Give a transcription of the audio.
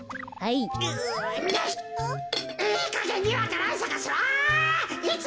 はい。